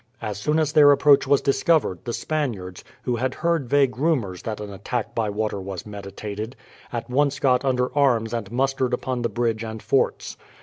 As soon as their approach was discovered, the Spaniards, who had heard vague rumours that an attack by water was meditated, at once got under arms and mustered upon the bridge and forts.